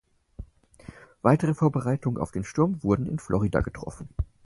Weitere Vorbereitungen auf den Sturm wurden in Florida getroffen.